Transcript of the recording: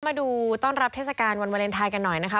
มาดูต้อนรับเทศกาลวันวาเลนไทยกันหน่อยนะคะ